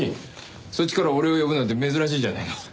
そっちから俺を呼ぶなんて珍しいじゃないの。